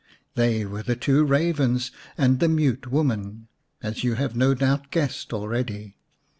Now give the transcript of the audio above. They were the two ravens and the Mute Woman, as you have no doubt guessed already.